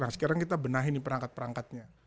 sekarang kita benahi perangkat perangkatnya